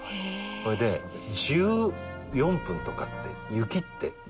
それで１４分とかって雪って籠